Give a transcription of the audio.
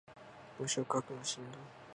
文章書くのしんどい